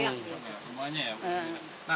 semuanya ya pak